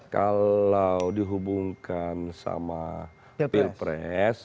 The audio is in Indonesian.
kalau dihubungkan sama pilpres